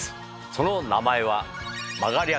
その名前は。